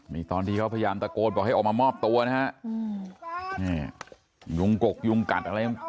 นี่ตอนที่เขาพยายามตะโกนบอกให้ออกมามอบตัวนะฮะนี่ยุงกกยุงกัดอะไร